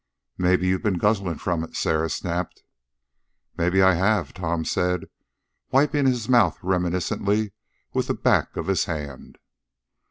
"Maybe you've been guzzling from it," Sarah snapped. "Maybe I have," Tom said, wiping his mouth reminiscently with the back of his hand.